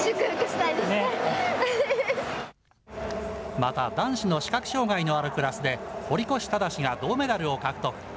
また、男子の視覚障害のあるクラスで堀越信司が銅メダルを獲得。